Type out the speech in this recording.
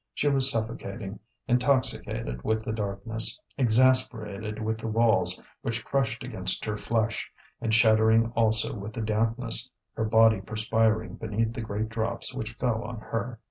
She was suffocating, intoxicated with the darkness, exasperated with the walls which crushed against her flesh, and shuddering also with the dampness, her body perspiring beneath the great drops which fell on her.